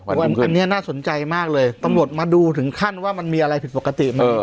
อันนี้น่าสนใจมากเลยตำรวจมาดูถึงขั้นว่ามันมีอะไรผิดปกติมา